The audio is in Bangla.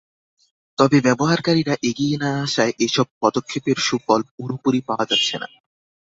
তবে ব্যবহারকারীরা এগিয়ে না আসায় এসব পদক্ষেপের সুফল পুরোপুরি পাওয়া যাচ্ছে না।